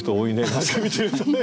確かに見てると何か。